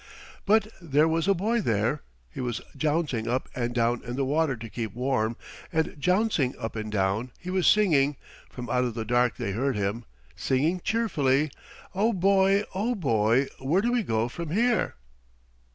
But there was a boy there he was jouncing up and down in the water to keep warm, and jouncing up and down he was singing (from out of the dark they heard him), singing cheerfully: "O boy, O boy, where do we go from here!"